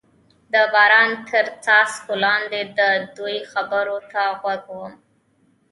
د باران تر څاڅکو لاندې د دوی خبرو ته غوږ ووم.